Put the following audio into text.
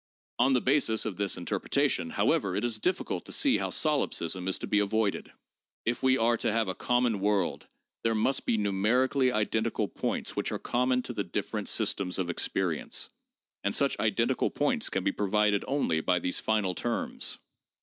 On the basis of this interpretation, however, it is difficult to see how solipsism is to be avoided. If we are to have a common world there must be numerically identical points which are common to the different sys tems of experience, and such identical points can be provided only by these final terms.